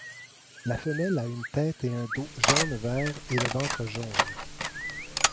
La femelle a une tête et un dos jaune-vert et le ventre jaune.